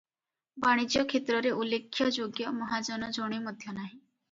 ବାଣିଜ୍ୟକ୍ଷେତ୍ରରେ ଉଲ୍ଲେଖ୍ୟଯୋଗ୍ୟ ମହାଜନ ଜଣେ ମଧ୍ୟ ନାହିଁ ।